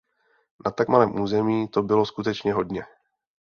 Na tak malém území to bylo skutečně hodně.